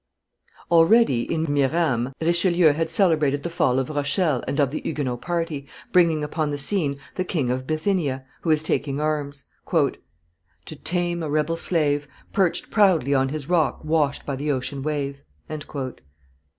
Already, in Mirame, Richelieu had celebrated the fall of Rochelle and of the Huguenot party, bringing upon the scene the King of Bithynia, who is taking arms "To tame a rebel slave, Perched proudly on his rock washed by the ocean wave."